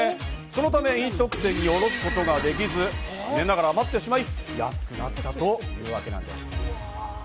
そのため飲食店に卸すことができず、余ってしまい、安くなったというワケなんです。